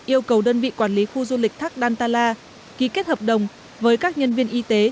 yêu cầu đơn vị quản lý khu du lịch thác danta la ký kết hợp đồng với các nhân viên y tế